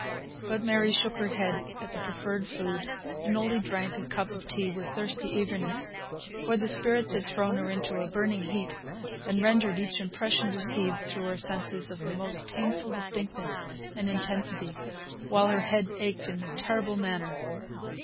But Mary shook her head at the proffered food, and only drank a cup of tea with thirsty eagerness. For the spirits had thrown her into a burning heat, and rendered each impression received through her senses of the most painful distinctness and intensity, while her head ached in a terrible manner.